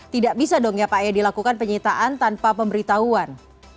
tidak bisa dong ya pak ya dilakukan penyitaan tanpa pemberitahuan